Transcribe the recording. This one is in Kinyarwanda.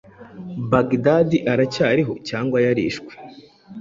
Baghdadi aracyariho cyangwa yarishwe